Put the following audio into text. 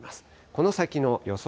この先の予想